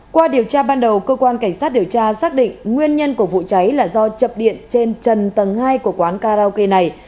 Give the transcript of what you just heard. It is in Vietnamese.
qua điều tra ban đầu cơ quan cảnh sát điều tra xác định nguyên nhân của vụ cháy là do chập điện trên trần tầng hai của quán karaoke này